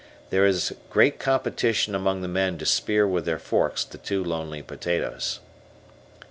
There is great competition among the men to spear with their forks the two lonely potatoes.